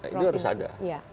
itu harus ada